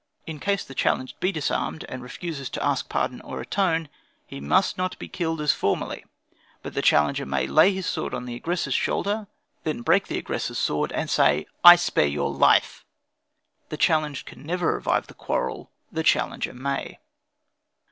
"In case the challenged be disarmed and refuses to ask pardon or atone, he must not be killed as formerly; but the challenger may lay his sword on the aggressor's shoulder, than break the aggressor's sword, and say, 'I spare your life!' The challenged can never revive the quarrel, the challenger may.